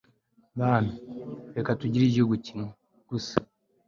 bantu, reka tugire igihugu kimwe gusa